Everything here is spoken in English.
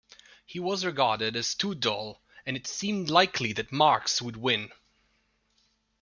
He was regarded as too dull, and it seemed likely that Marx would win.